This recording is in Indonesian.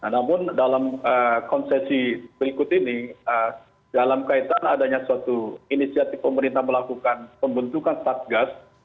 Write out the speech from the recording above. namun dalam konsesi berikut ini dalam kaitan adanya suatu inisiatif pemerintah melakukan pembentukan satgas